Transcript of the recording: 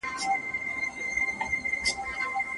د کتابونو او ماخذونو سمه مطالعه وکړئ.